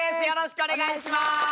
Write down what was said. よろしくお願いします。